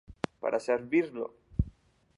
Per a servir-lo.